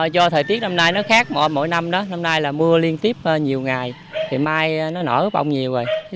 do thời tiết năm nay nó khác mỗi năm đó năm nay là mưa liên tiếp nhiều ngày thì mai nó nở bông nhiều rồi